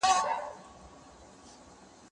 زه پرون د ښوونځی لپاره امادګي نيولی،